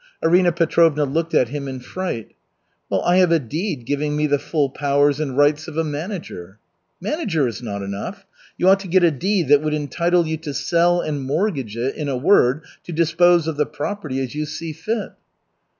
Arina Petrovna looked at him in fright. "Well, I have a deed giving me the full powers and rights of a manager." "Manager is not enough. You ought to get a deed that would entitle you to sell and mortgage it, in a word, to dispose of the property as you see fit."